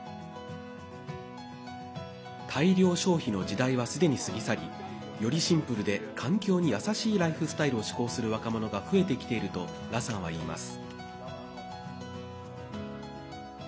大量消費の時代はすでに過ぎ去りよりシンプルで環境に優しいライフスタイルを志向する若者が増えてきていると羅さんは言います。